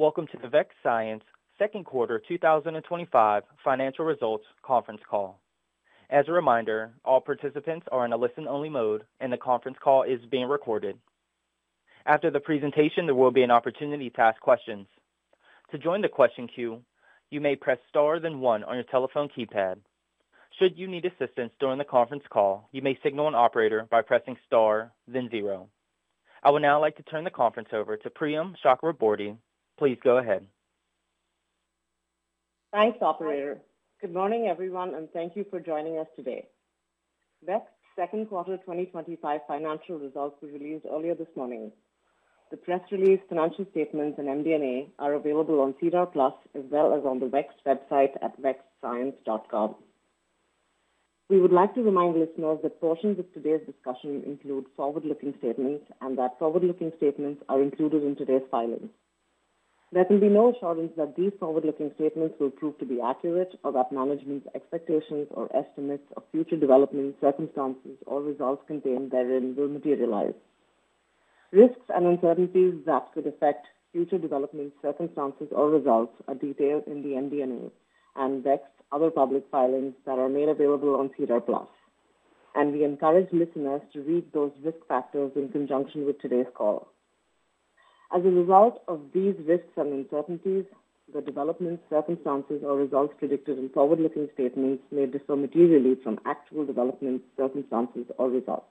Welcome to the Vext Science Second Quarter 2025 Financial Results Conference Call. As a reminder, all participants are in a listen-only mode, and the conference call is being recorded. After the presentation, there will be an opportunity to ask questions. To join the question queue, you may press *1 on your telephone keypad. Should you need assistance during the conference call, you may signal an operator by pressing *0. I would now like to turn the conference over to Priyam Chakraborty. Please go ahead. Thanks, Operator. Good morning, everyone, and thank you for joining us today. Vext Science's Second Quarter 2025 Financial Results were released earlier this morning. The press release, financial statements, and MD&A are available on CDAR Plus, as well as on the Vext Science website at vexscience.com. We would like to remind listeners that portions of today's discussion include forward-looking statements and that forward-looking statements are included in today's filing. Let it be noted that these forward-looking statements may not prove to be accurate or that management's expectations or estimates of future developments, circumstances, or results contained therein will materialize. Risks and uncertainties that could affect future developments, circumstances, or results are detailed in the MD&A and Vext Science's other public filings that are made available on CDAR Plus. We encourage listeners to read those risk factors in conjunction with today's call. As a result of these risks and uncertainties, the developments, circumstances, or results predicted in forward-looking statements may differ materially from actual developments, circumstances, or results.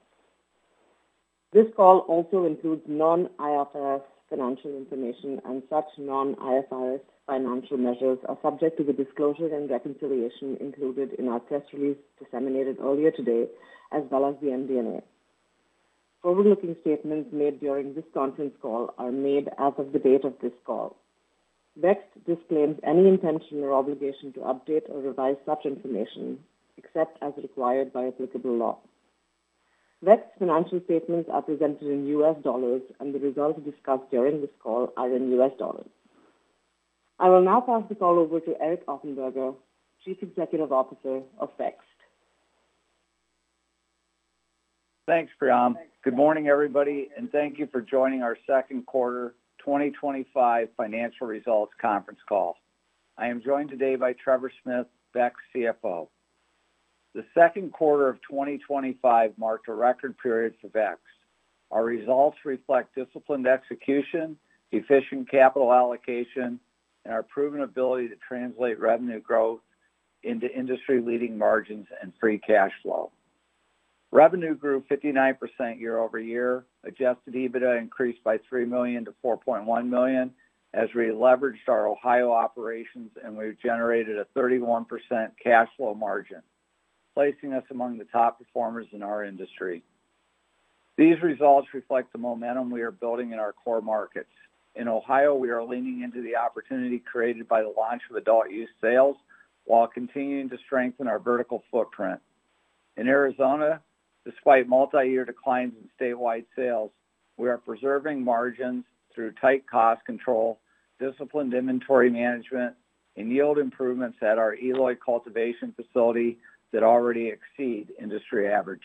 This call also includes non-IFRS financial information, and such non-IFRS financial measures are subject to the disclosure and reconciliation included in our press release disseminated earlier today, as well as the MD&A. Forward-looking statements made during this conference call are made as of the date of this call. Vext Science disclaims any intention or obligation to update or revise such information except as required by applicable law. Vext Science's financial statements are presented in U.S. dollars, and the results discussed during this call are in U.S. dollars. I will now pass the call over to Eric Offenberger, Chief Executive Officer of Vext Science. Thanks, Priyam. Good morning, everybody, and thank you for joining our Second Quarter 2025 Financial Results Conference Call. I am joined today by Trevor Smith, Vext CFO. The second quarter of 2025 marked a record period for Vext Science. Our results reflect disciplined execution, efficient capital allocation, and our proven ability to translate revenue growth into industry-leading margins and free cash flow. Revenue grew 59% year over year, adjusted EBITDA increased from $3 million to $4.1 million as we leveraged our Ohio operations, and we've generated a 31% cash flow margin, placing us among the top performers in our industry. These results reflect the momentum we are building in our core markets. In Ohio, we are leaning into the opportunity created by the launch of adult use sales while continuing to strengthen our vertical footprint. In Arizona, despite multi-year declines in statewide sales, we are preserving margins through tight cost control, disciplined inventory management, and yield improvements at our Eloy cultivation facility that already exceed industry average.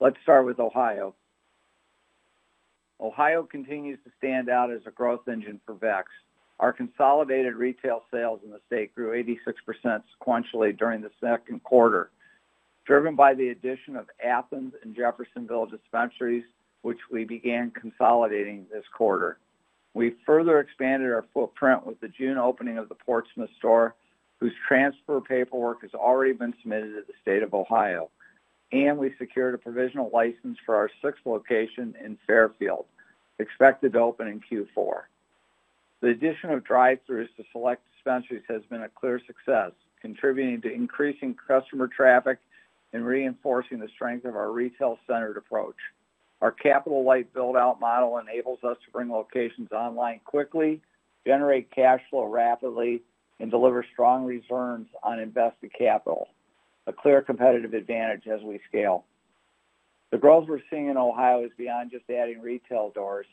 Let's start with Ohio. Ohio continues to stand out as a growth engine for Vext Science. Our consolidated retail sales in the state grew 86% sequentially during the second quarter, driven by the addition of Athens and Jeffersonville dispensaries, which we began consolidating this quarter. We further expanded our footprint with the June opening of the Portsmouth store, whose transfer paperwork has already been submitted to the state of Ohio, and we secured a provisional license for our sixth location in Fairfield, expected to open in Q4. The addition of drive-throughs to select dispensaries has been a clear success, contributing to increasing customer traffic and reinforcing the strength of our retail-centered approach. Our capital-light build-out model enables us to bring locations online quickly, generate cash flow rapidly, and deliver strong returns on invested capital, a clear competitive advantage as we scale. The growth we're seeing in Ohio is beyond just adding retail doors,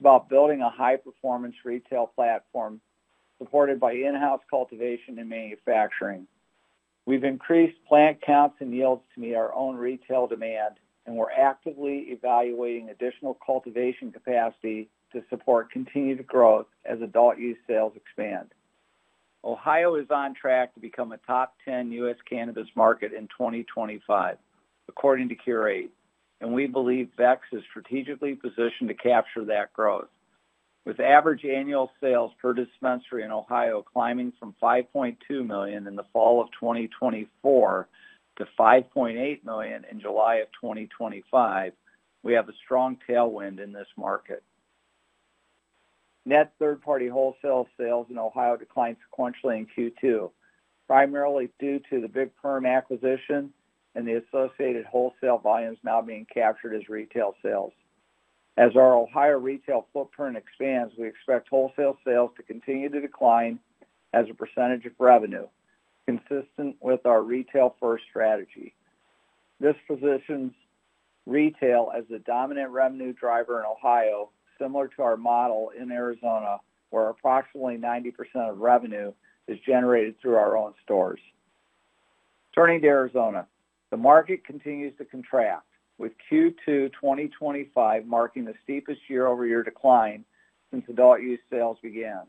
but building a high-performance retail platform supported by in-house cultivation and manufacturing. We've increased plant counts and yields to meet our own retail demand, and we're actively evaluating additional cultivation capacity to support continued growth as adult use sales expand. Ohio is on track to become a top 10 U.S. cannabis market in 2025, according to CURATE, and we believe Vext is strategically positioned to capture that growth. With average annual sales per dispensary in Ohio climbing from $5.2 million in the fall of 2024 to $5.8 million in July of 2025, we have a strong tailwind in this market. Net third-party wholesale sales in Ohio declined sequentially in Q2, primarily due to the Big Perm acquisition and the associated wholesale volumes now being captured as retail sales. As our Ohio retail footprint expands, we expect wholesale sales to continue to decline as a percentage of revenue, consistent with our retail-first strategy. This positions retail as the dominant revenue driver in Ohio, similar to our model in Arizona, where approximately 90% of revenue is generated through our own stores. Turning to Arizona, the market continues to contract, with Q2 2025 marking the steepest year-over-year decline since adult use sales began.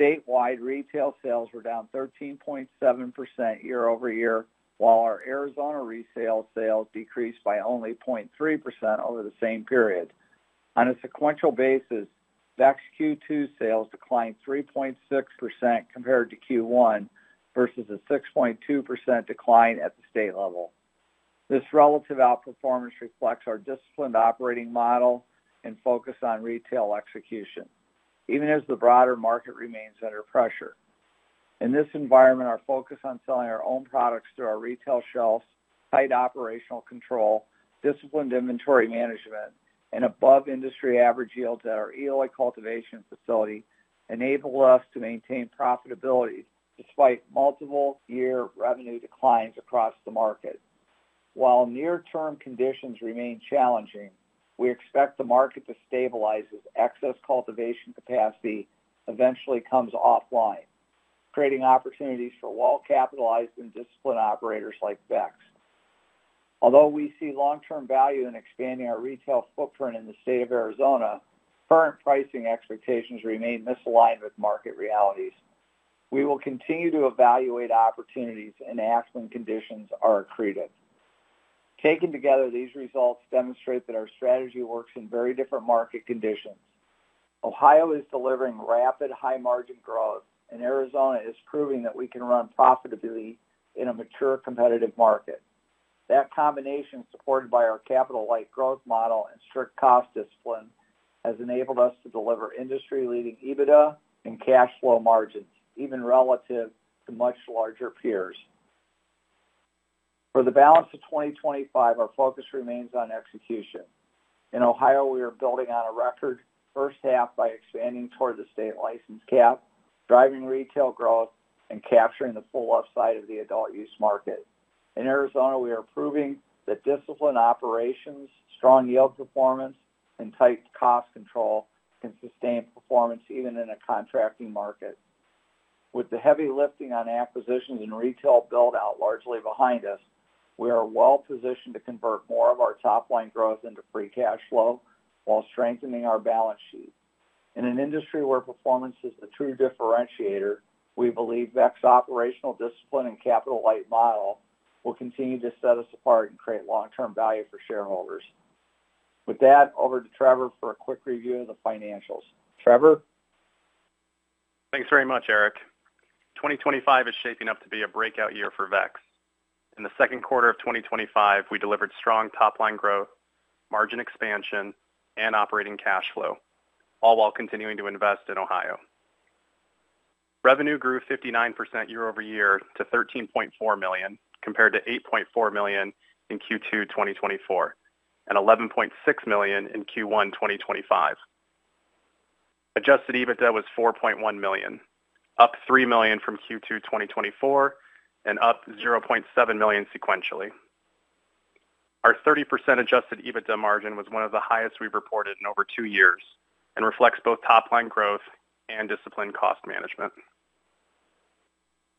Statewide retail sales were down 13.7% year over year, while our Arizona retail sales decreased by only 0.3% over the same period. On a sequential basis, Vext Q2 sales declined 3.6% compared to Q1 versus a 6.2% decline at the state level. This relative outperformance reflects our disciplined operating model and focus on retail execution, even as the broader market remains under pressure. In this environment, our focus on selling our own products through our retail shelves, tight operational control, disciplined inventory management, and above industry average yields at our Eloy cultivation facility enabled us to maintain profitability despite multiple-year revenue declines across the market. While near-term conditions remain challenging, we expect the market to stabilize as excess cultivation capacity eventually comes offline, creating opportunities for well-capitalized and disciplined operators like Vext. Although we see long-term value in expanding our retail footprint in the state of Arizona, current pricing expectations remain misaligned with market realities. We will continue to evaluate opportunities and act when conditions are accretive. Taken together, these results demonstrate that our strategy works in very different market conditions. Ohio is delivering rapid, high-margin growth, and Arizona is proving that we can run profitably in a mature competitive market. That combination, supported by our capital-light growth model and strict cost discipline, has enabled us to deliver industry-leading EBITDA and cash flow margins, even relative to much larger peers. For the balance of 2025, our focus remains on execution. In Ohio, we are building on a record first half by expanding toward the state license cap, driving retail growth, and capturing the pull-off side of the adult use market. In Arizona, we are proving that disciplined operations, strong yield performance, and tight cost control can sustain performance even in a contracting market. With the heavy lifting on acquisitions and retail build-out largely behind us, we are well-positioned to convert more of our top-line growth into free cash flow while strengthening our balance sheet. In an industry where performance is the true differentiator, we believe Vext Science's operational discipline and capital-light model will continue to set us apart and create long-term value for shareholders. With that, over to Trevor for a quick review of the financials. Trevor? Thanks very much, Eric. 2025 is shaping up to be a breakout year for Vext Science. In the second quarter of 2025, we delivered strong top-line growth, margin expansion, and operating cash flow, all while continuing to invest in Ohio. Revenue grew 59% year over year to $13.4 million, compared to $8.4 million in Q2 2024 and $11.6 million in Q1 2025. Adjusted EBITDA was $4.1 million, up $3 million from Q2 2024 and up $0.7 million sequentially. Our 30% adjusted EBITDA margin was one of the highest we've reported in over two years and reflects both top-line growth and disciplined cost management.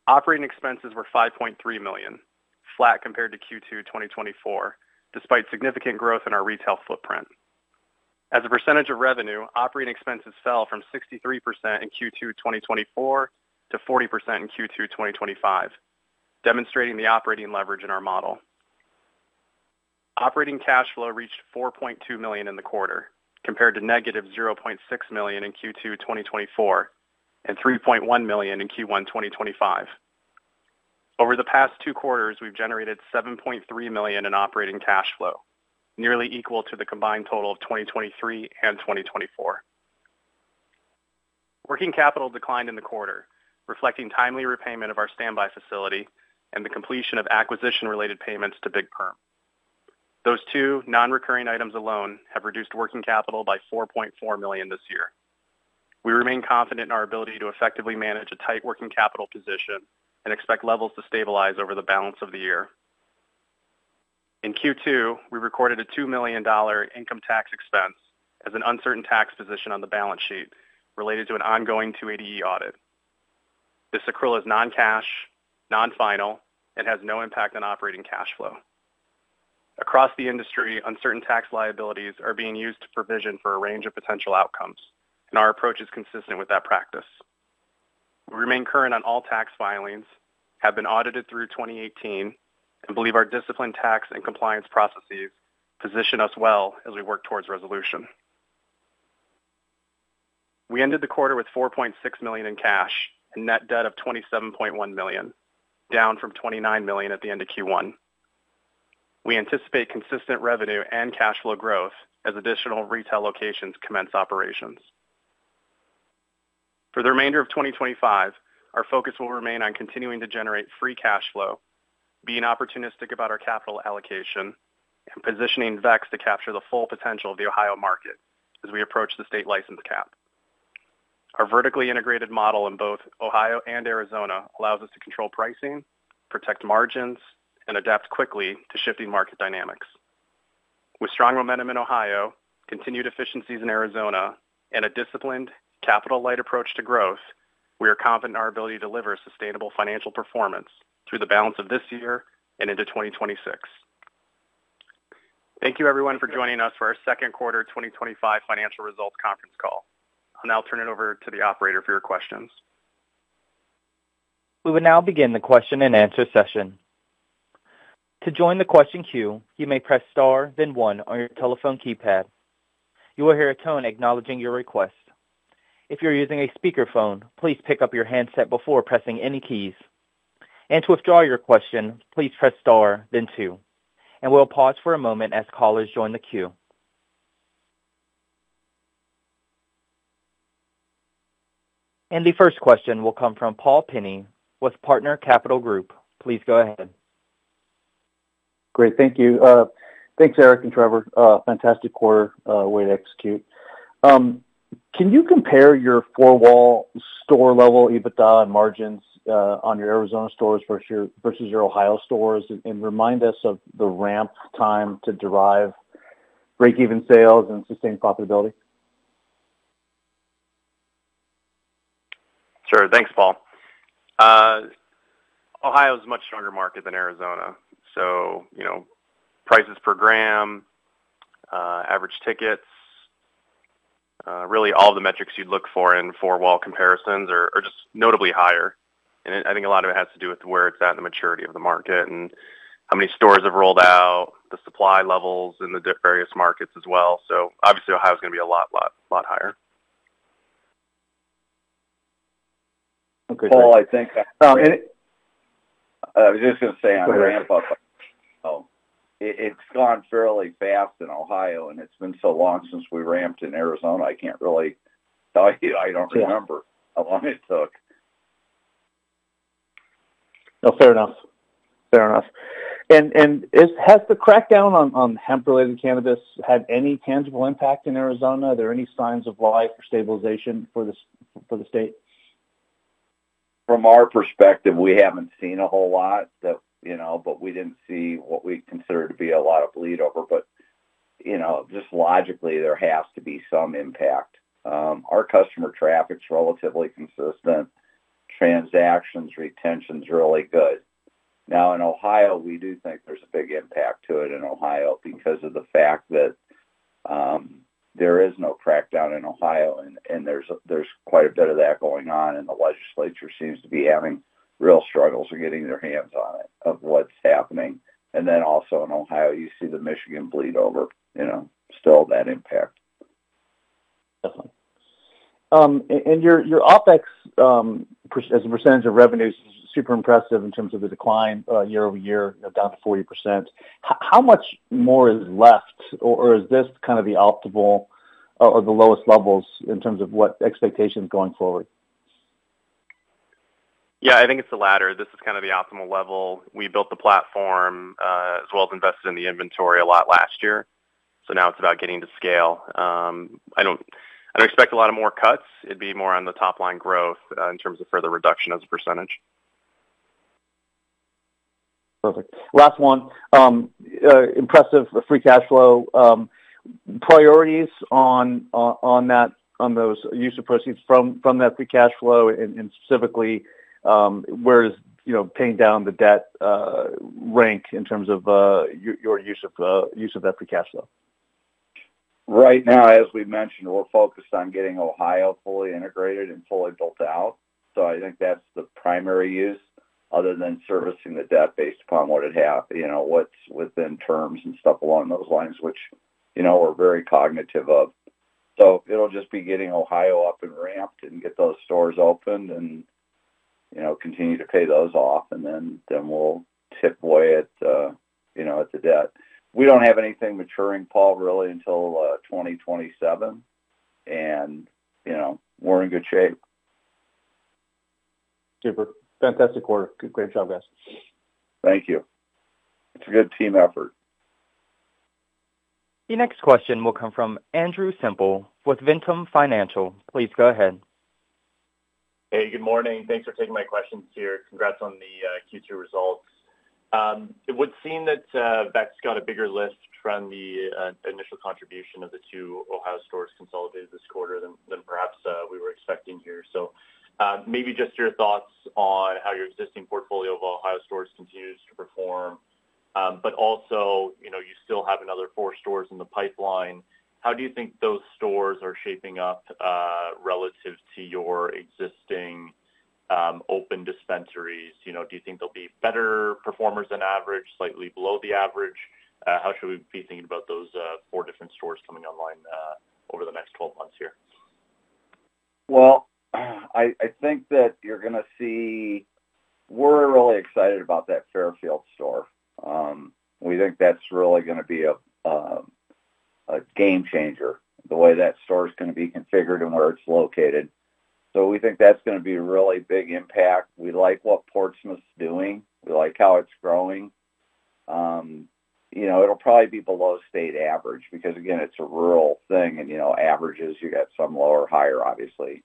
Operating expenses were $5.3 million, flat compared to Q2 2024, despite significant growth in our retail footprint. As a percentage of revenue, operating expenses fell from 63% in Q2 2024 to 40% in Q2 2025, demonstrating the operating leverage in our model. Operating cash flow reached $4.2 million in the quarter, compared to negative $0.6 million in Q2 2024 and $3.1 million in Q1 2025. Over the past two quarters, we've generated $7.3 million in operating cash flow, nearly equal to the combined total of 2023 and 2024. Working capital declined in the quarter, reflecting timely repayment of our standby facility and the completion of acquisition-related payments to Big Perm. Those two non-recurring items alone have reduced working capital by $4.4 million this year. We remain confident in our ability to effectively manage a tight working capital position and expect levels to stabilize over the balance of the year. In Q2, we recorded a $2 million income tax expense as an uncertain tax position on the balance sheet related to an ongoing 280(e) audit. This accrual is non-cash, non-final, and has no impact on operating cash flow. Across the industry, uncertain tax liabilities are being used to provision for a range of potential outcomes, and our approach is consistent with that practice. We remain current on all tax filings, have been audited through 2018, and believe our disciplined tax and compliance processes position us well as we work towards resolution. We ended the quarter with $4.6 million in cash, a net debt of $27.1 million, down from $29 million at the end of Q1. We anticipate consistent revenue and cash flow growth as additional retail locations commence operations. For the remainder of 2025, our focus will remain on continuing to generate free cash flow, being opportunistic about our capital allocation, and positioning Vext Science to capture the full potential of the Ohio market as we approach the state license cap. Our vertically integrated model in both Ohio and Arizona allows us to control pricing, protect margins, and adapt quickly to shifting market dynamics. With strong momentum in Ohio, continued efficiencies in Arizona, and a disciplined, capital-light approach to growth, we are confident in our ability to deliver sustainable financial performance through the balance of this year and into 2026. Thank you, everyone, for joining us for our Second Quarter 2025 Financial Results Conference Call. I'll now turn it over to the Operator for your questions. We will now begin the question and answer session. To join the question queue, you may press *1 on your telephone keypad. You will hear a tone acknowledging your request. If you're using a speakerphone, please pick up your handset before pressing any keys. To withdraw your question, please press *2. We'll pause for a moment as callers join the queue. The first question will come from Paul Penney with Partner Capital Group. Please go ahead. Great, thank you. Thanks, Eric and Trevor. Fantastic quarter, way to execute. Can you compare your four-wall store level EBITDA and margins on your Arizona stores versus your Ohio stores, and remind us of the ramp time to derive break-even sales and sustained profitability? Sure, thanks, Paul. Ohio is a much stronger market than Arizona. You know, prices per gram, average tickets, really all the metrics you'd look for in four-wall comparisons are just notably higher. I think a lot of it has to do with where it's at in the maturity of the market and how many stores have rolled out, the supply levels in the various markets as well. Obviously, Ohio is going to be a lot, a lot, a lot higher. Paul, I think. I was just going to say on the ramp up, it's gone fairly fast in Ohio, and it's been so long since we ramped in Arizona. I can't really tell you. I don't remember how long it took. No, fair enough. Has the crackdown on hemp-related cannabis had any tangible impact in Arizona? Are there any signs of life or stabilization for the state? From our perspective, we haven't seen a whole lot that, you know, we didn't see what we consider to be a lot of bleedover. You know, just logically, there has to be some impact. Our customer traffic's relatively consistent. Transactions retention's really good. Now, in Ohio, we do think there's a big impact to it in Ohio because of the fact that there is no crackdown in Ohio, and there's quite a bit of that going on. The legislature seems to be having real struggles getting their hands on it, of what's happening. Also, in Ohio, you see the Michigan bleedover, you know, still that impact. Definitely. Your OpEx as a percentage of revenue is super impressive in terms of the decline year over year, down to 40%. How much more is left, or is this kind of the optimal or the lowest levels in terms of what expectations going forward? Yeah, I think it's the latter. This is kind of the optimal level. We built the platform as well as invested in the inventory a lot last year. Now it's about getting to scale. I don't expect a lot of more cuts. It'd be more on the top-line growth in terms of further reduction as a %. Perfect. Last one. Impressive free cash flow. Priorities on those use of proceeds from that free cash flow, and specifically, where is paying down the debt rank in terms of your use of that free cash flow? Right now, as we mentioned, we're focused on getting Ohio fully integrated and fully built out. I think that's the primary use other than servicing the debt based upon what it has, what's within terms and stuff along those lines, which we're very cognitive of. It'll just be getting Ohio up and ramped and get those stores opened, continue to pay those off, and then we'll tip away at the debt. We don't have anything maturing, Paul, really, until 2027, and we're in good shape. Super. Fantastic quarter. Great job, guys. Thank you. It's a good team effort. The next question will come from Andrew Semple with Ventum Financial Corp. Please go ahead. Hey, good morning. Thanks for taking my questions here. Congrats on the Q2 results. It would seem that Vext Science got a bigger lift from the initial contribution of the two Ohio stores consolidated this quarter than perhaps we were expecting here. Maybe just your thoughts on how your existing portfolio of Ohio stores continues to perform, but also, you still have another four stores in the pipeline. How do you think those stores are shaping up relative to your existing open dispensaries? Do you think they'll be better performers than average, slightly below the average? How should we be thinking about those four different stores coming online over the next 12 months here? I think that you're going to see, we're really excited about that Fairfield store. We think that's really going to be a game changer, the way that store is going to be configured and where it's located. We think that's going to be a really big impact. We like what Portsmouth's doing. We like how it's growing. It'll probably be below state average because, again, it's a rural thing, and averages, you got some lower or higher, obviously.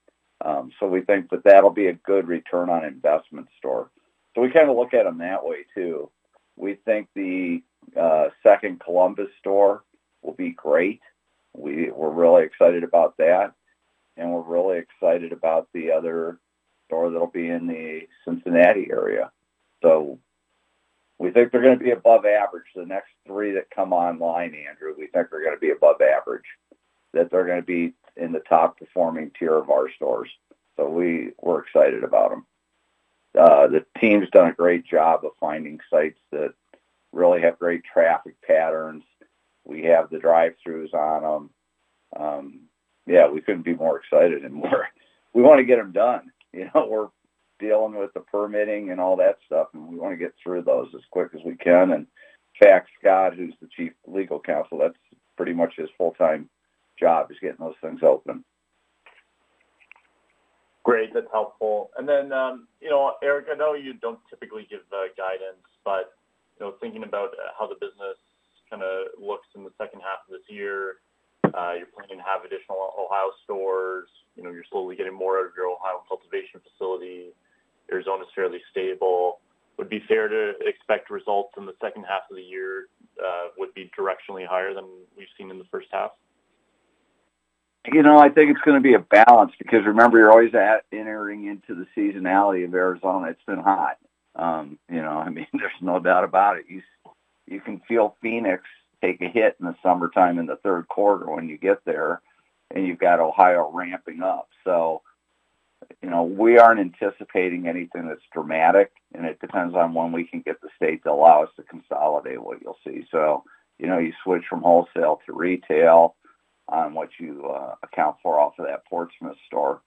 We think that that'll be a good return on investment store. We kind of look at them that way, too. We think the second Columbus store will be great. We're really excited about that. We're really excited about the other store that'll be in the Cincinnati area. We think they're going to be above average. The next three that come online, Andrew, we think they're going to be above average, that they're going to be in the top-performing tier of our stores. We're excited about them. The team's done a great job of finding sites that really have great traffic patterns. We have the drive-throughs on them. We couldn't be more excited anymore. We want to get them done. We're dealing with the permitting and all that stuff, and we want to get through those as quick as we can. Scott, who's the Chief Legal Counsel, that's pretty much his full-time job is getting those things open. Great. That's helpful. Eric, I know you don't typically give guidance, but thinking about how the business kind of looks in the second half of this year, you're planning to have additional Ohio stores. You're slowly getting more out of your Ohio cultivation facility. Arizona's fairly stable. Would it be fair to expect results in the second half of the year would be directionally higher than we've seen in the first half? I think it's going to be a balance because remember, you're always entering into the seasonality of Arizona. It's been hot. There's no doubt about it. You can feel Phoenix take a hit in the summertime in the third quarter when you get there, and you've got Ohio ramping up. We aren't anticipating anything that's dramatic, and it depends on when we can get the state to allow us to consolidate what you'll see. You switch from wholesale to retail on what you account for off of that Portsmouth store.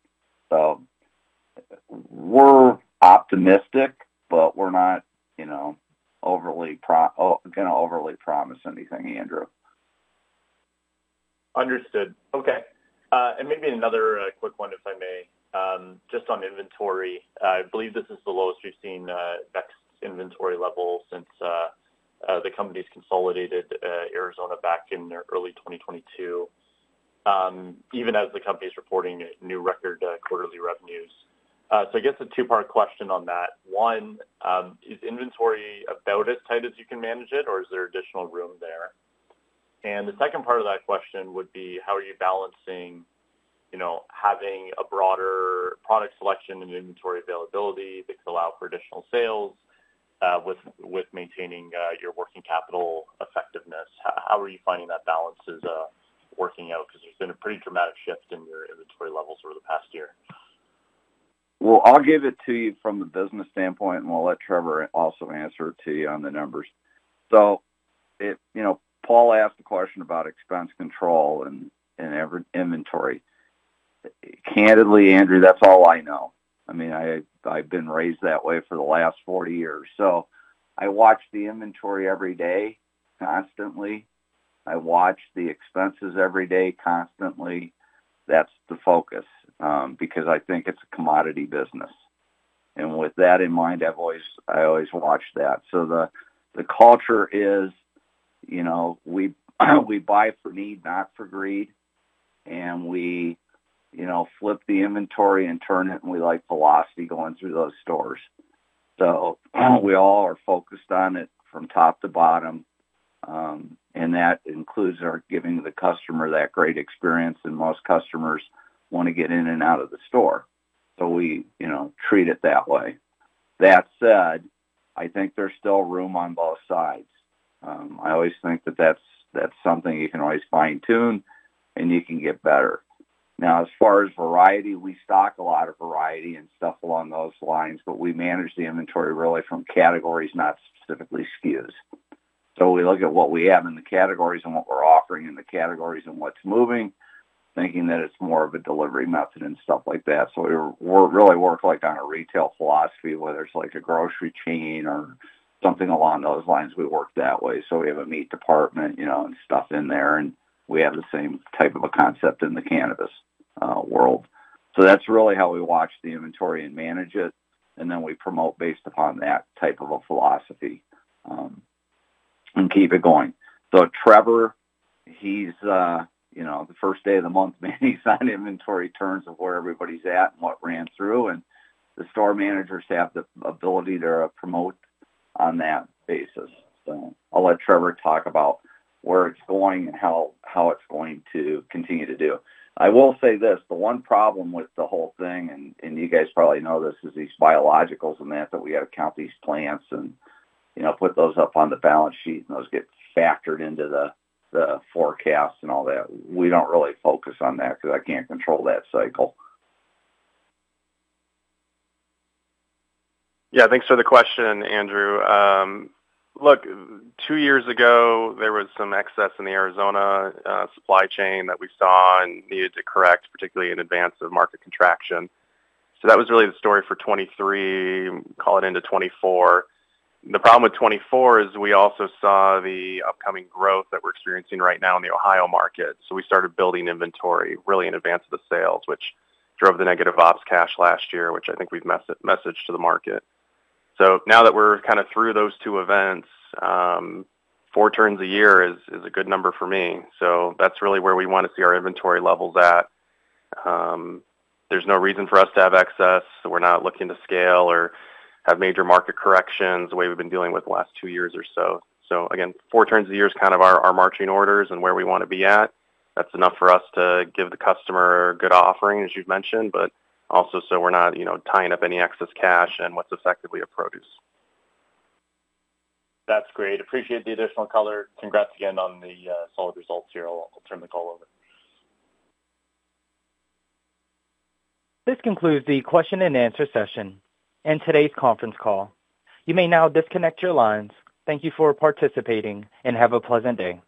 We're optimistic, but we're not, you know, overly—I’m not going to overly promise anything, Andrew. Understood. Okay. Maybe another quick one, if I may, just on inventory. I believe this is the lowest we've seen Vext Science's inventory level since the company consolidated Arizona back in early 2022, even as the company is reporting new record quarterly revenues. I guess a two-part question on that. One, is inventory about as tight as you can manage it, or is there additional room there? The second part of that question would be, how are you balancing having a broader product selection and inventory availability that could allow for additional sales with maintaining your working capital effectiveness? How are you finding that balance is working out because there's been a pretty dramatic shift in your inventory levels over the past year? I'll give it to you from the business standpoint, and we'll let Trevor also answer it to you on the numbers. Paul asked the question about expense control and inventory. Candidly, Andrew, that's all I know. I mean, I've been raised that way for the last 40 years. I watch the inventory every day, constantly. I watch the expenses every day, constantly. That's the focus because I think it's a commodity business. With that in mind, I always watch that. The culture is, you know, we buy for need, not for greed. We flip the inventory and turn it, and we like velocity going through those stores. We all are focused on it from top to bottom. That includes our giving the customer that great experience, and most customers want to get in and out of the store. We treat it that way. That said, I think there's still room on both sides. I always think that that's something you can always fine-tune, and you can get better. Now, as far as variety, we stock a lot of variety and stuff along those lines, but we manage the inventory really from categories, not specifically SKUs. We look at what we have in the categories and what we're offering in the categories and what's moving, thinking that it's more of a delivery method and stuff like that. We really work like on a retail philosophy, whether it's like a grocery chain or something along those lines. We work that way. We have a meat department, you know, and stuff in there, and we have the same type of a concept in the cannabis world. That's really how we watch the inventory and manage it. We promote based upon that type of a philosophy and keep it going. Trevor, he's the first day of the month, man, he's on inventory terms of where everybody's at and what ran through. The store managers have the ability to promote on that basis. I'll let Trevor talk about where it's going and how it's going to continue to do. I will say this, the one problem with the whole thing, and you guys probably know this, is these biologicals and that, that we have to count these plants and, you know, put those up on the balance sheet, and those get factored into the forecast and all that. We don't really focus on that because I can't control that cycle. Yeah, thanks for the question, Andrew. Look, two years ago, there was some excess in the Arizona supply chain that we saw and needed to correct, particularly in advance of market contraction. That was really the story for 2023, call it into 2024. The problem with 2024 is we also saw the upcoming growth that we're experiencing right now in the Ohio market. We started building inventory really in advance of the sales, which drove the negative ops cash last year, which I think we've messaged to the market. Now that we're kind of through those two events, four turns a year is a good number for me. That's really where we want to see our inventory levels at. There's no reason for us to have excess. We're not looking to scale or have major market corrections the way we've been dealing with the last two years or so. Four turns a year is kind of our marching orders and where we want to be at. That's enough for us to give the customer a good offering, as you've mentioned, but also so we're not tying up any excess cash in what's effectively a produce. That's great. Appreciate the additional color. Congrats again on the solid results here. I'll turn the call over. This concludes the question and answer session and today's conference call. You may now disconnect your lines. Thank you for participating and have a pleasant day.